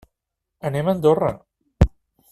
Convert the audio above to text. Anem a Andorra.